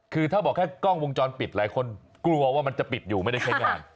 คือถ้าบอกแค่กล้องวงจรปิดหลายคนกลัวว่ามันจะปิดอยู่ไม่ได้ใช้งาน